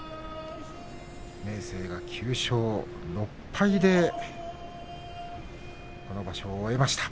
明生は９勝６敗でこの場所を終えました。